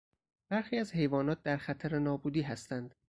برخی از حیوانات در خطر نابودی هستند.